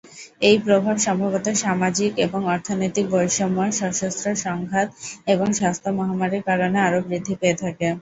এই প্রভাব সম্ভবত সামাজিক এবং অর্থনৈতিক বৈষম্য, সশস্ত্র সংঘাত এবং স্বাস্থ্য মহামারীর কারণে আরো বৃদ্ধি পেয়ে থাকে।